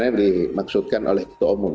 yang dimaksudkan oleh ketua umum